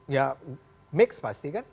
ya mix pasti kan